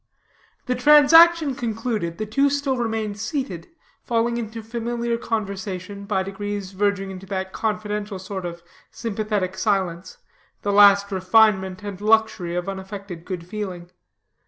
The transaction concluded, the two still remained seated, falling into familiar conversation, by degrees verging into that confidential sort of sympathetic silence, the last refinement and luxury of unaffected good feeling.